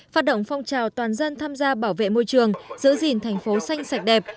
phát động phong trào toàn dân tham gia bảo vệ môi trường giữ gìn thành phố xanh sạch đẹp